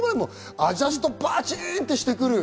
アジャスト、パチンとしてくる。